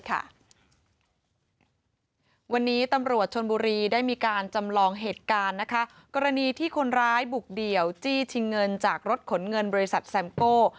วันนี้ตำรวจชนบุรีได้มีการจำลองเหตุการณ์นะคะกรณีที่คนร้ายบุกเดี่ยวจี้ชิงเงินจากรถขนเงินบริษัทแซมโก้